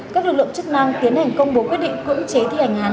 các lực lượng chức năng tiến hành công bố quyết định cưỡng chế thi hành án